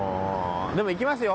でも行きますよ